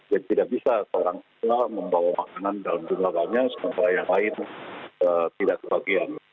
jadi tidak bisa seorang pula membawa makanan dalam jumlah banyak seumpara yang lain tidak sebagian